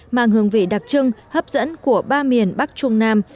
mang hương vị đặc trưng hấp dẫn của ba miền bắc trung nam